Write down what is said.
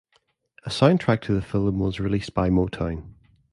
A soundtrack to the film was released by Motown.